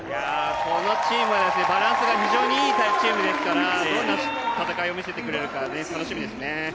このチーム、バランスが非常にいいチームですからどんな戦いを見せてくれるか楽しみですね。